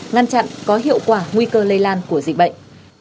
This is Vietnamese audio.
ngăn chặn có hiệu quả nguy cơ lây lan của dịch bệnh